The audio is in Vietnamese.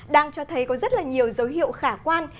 đang cho thấy có rất là nhiều dấu hiệu khả quan